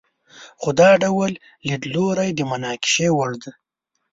خو دا ډول لیدلوری د مناقشې وړ دی.